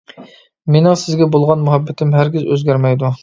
مېنىڭ سىزگە بولغان مۇھەببىتىم ھەرگىز ئۆزگەرمەيدۇ.